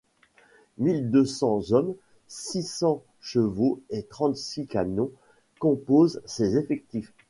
Mille deux cents hommes, six cents chevaux et trente-six canons composent ses effectifs.